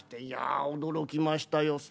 「いや驚きましたよ